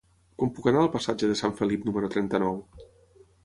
Com puc anar al passatge de Sant Felip número trenta-nou?